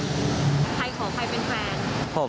ใครขอใครเป็นแฟน